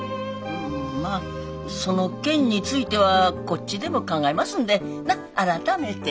まあその件についてはこっちでも考えますんでなっ改めて。